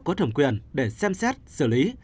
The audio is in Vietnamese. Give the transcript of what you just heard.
có thẩm quyền để xem xét xử lý